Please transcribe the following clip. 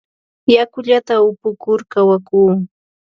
Yakullata upukur kawakuu.